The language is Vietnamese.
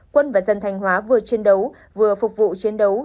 quân và dân thanh hóa vừa chiến đấu vừa phục vụ chiến đấu